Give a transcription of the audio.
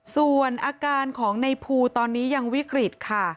ส่วนอาการของในภูตอนนี้ยังวิกฤตค่ะ